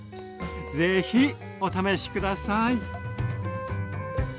是非お試し下さい。